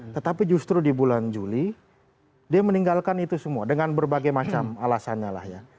tetapi justru di bulan juli dia meninggalkan itu semua dengan berbagai macam alasannya lah ya